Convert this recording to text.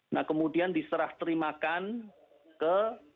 nah kemudian diserah terimakan ke